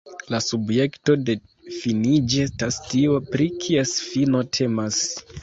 La subjekto de finiĝi estas tio, pri kies fino temas.